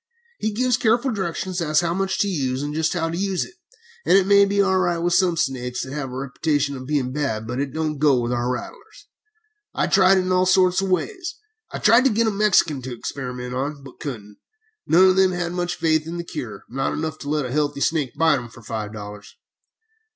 He gives careful directions as to how much to use, and just how to use it, and it may be all right with some snakes which have the reputation of being bad, but it don't go with our rattlers. I tried it in all sorts of ways. I tried to get a Mexican to experiment on, but couldn't. None of them had much faith in the cure not enough to let a healthy snake bite 'em for five dollars.